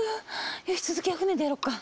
よし続きは船でやろっか。